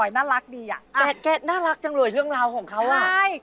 แต่แก่น่ารักจังเลยเรื่องน้องนั้น